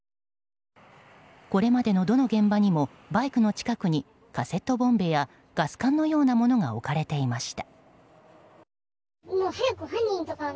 これまでのどの現場にもバイクの近くにカセットボンベやガス缶のようなものが置かれていました。